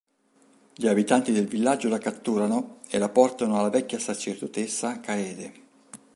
Gli abitanti del villaggio la catturano e la portano alla vecchia sacerdotessa Kaede.